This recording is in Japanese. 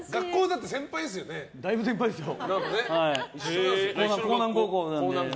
だいぶ先輩ですよ。